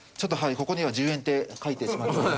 ここには１０円って書いてしまったんですけど。